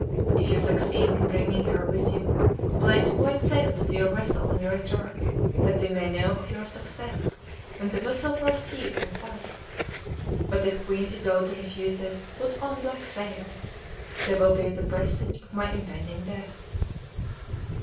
If you succeed in bringing her with you, place white sails to your vessel on your return, that we may know of your success when the vessel first heaves in sight. But if Queen Isoude refuses, put on black sails; they will be the presage of my impending death."